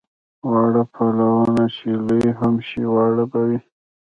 واړه پلونه چې لوی هم شي واړه به وي.